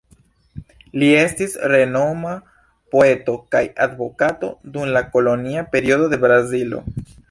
Li estis renoma poeto kaj advokato dum la kolonia periodo de Brazilo.